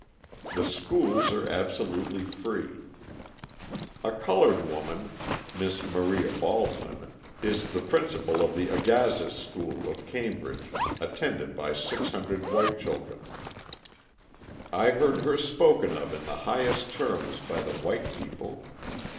The schools are absolutely free. A coloured woman, Miss Maria Baldwin, is the principal of the Agassiz school, of Cambridge, attended by 600 white children. I heard her spoken of in the highest terms by the white people.